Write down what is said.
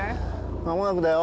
まもなくだよ